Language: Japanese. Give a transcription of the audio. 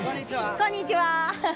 こんにちは！